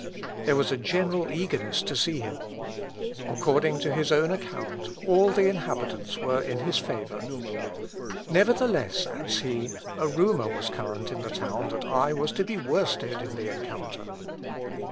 There was a general eagerness to see him. According to his own account, all the inhabitants were in his favour. "Nevertheless," adds he, "a rumour was current in the town that I was to be worsted in the encounter."